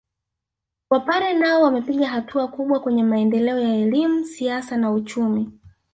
Wapare nao wamepiga hatua kubwa kwenye maendeleo ya elimu siasa na uchumi